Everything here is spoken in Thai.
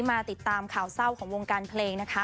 มาติดตามข่าวเศร้าของวงการเพลงนะคะ